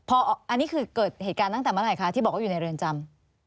อันนี้คือเกิดเหตุการณ์ตั้งแต่เมื่อไหร่คะที่บอกว่าอยู่ในเรือนจำ